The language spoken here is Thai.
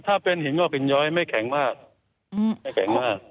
ถ้าเป็นหินงอกหินย้อยไม่แข็งมากไม่แข็งมาก